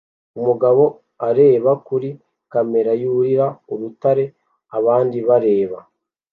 Umugabo areba kuri kamera yurira urutare abandi bareba